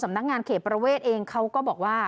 นักงานเขตประเวทเองเขาก็บอกว่า